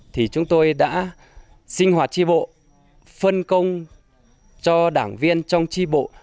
thì chúng tôi đã sinh hoạt tri bộ phân công cho đảng viên trong tri bộ